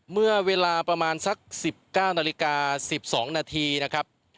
เมื่อเวลาประมาณสักสิบเก้านาฬิกาสิบสองนาทีนะครับ